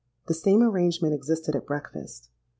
The same arrangement existed at breakfast.